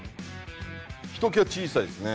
ひときわ小さいですね。